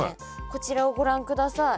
こちらをご覧ください。